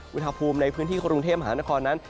อุณหภูมิในพื้นที่กรุงเทพมหานครนั้น